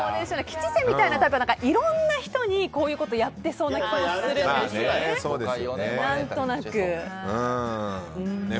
吉瀬みたいなタイプはいろんな人にこういうことやってそうな気がするんですよね。